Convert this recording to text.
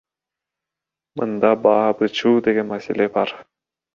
Мында баа бычуу деген маселе бар.